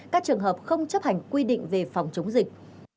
các trường hợp không chấp hành quy định về phòng chống dịch